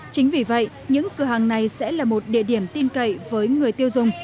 chính vì vậy những cửa hàng này sẽ là một địa điểm tin cậy với người tiêu dùng